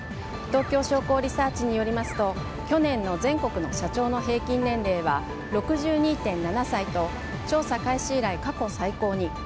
東京商工リサーチによりますと去年の全国の社長の平均年齢は６２．７歳と調査開始以来過去最高に。